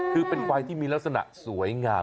คือเป็นควายที่มีลักษณะสวยงาม